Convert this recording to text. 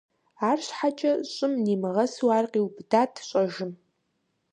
АрщхьэкӀэ щӀым нимыгъэсу ар къиубыдат щӀэжым.